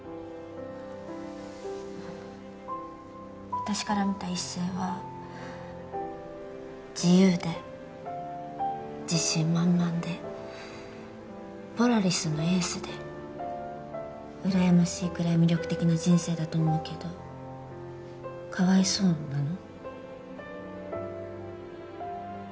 私から見た一星は自由で自信満々でポラリスのエースでうらやましいくらい魅力的な人生だと思うけどかわいそうなの？